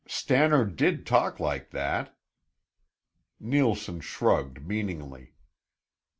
"Stannard did talk like that." Neilson shrugged meaningly.